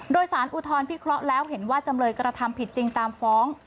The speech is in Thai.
โดยสารอุทธรณพิเคราะห์แล้วเห็นว่าจำเลยกระทำผิดจริงตามฟ้อง